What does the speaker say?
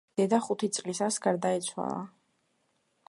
დედა ხუთი წლისას გარდაეცვალა.